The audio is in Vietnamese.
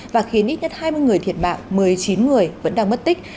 và khiến ít nhất hai mươi người thiệt mạng một mươi chín người vẫn đang mất tích